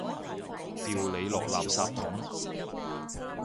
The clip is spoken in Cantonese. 掉你落垃圾桶！